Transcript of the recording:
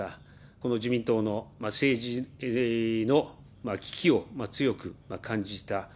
この自民党の政治の危機を強く感じた。